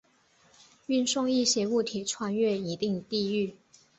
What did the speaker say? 运送一些物体穿越一定地域。